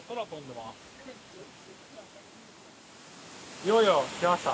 いよいよきました。